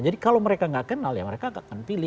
jadi kalau mereka gak kenal ya mereka gak akan pilih